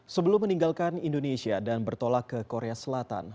sebelum meninggalkan indonesia dan bertolak ke korea selatan